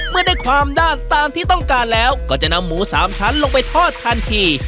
เมื่อได้ความด้างตามที่ต้องการแล้วก็จะนำหมูสามชั้นลงไปทอดทันที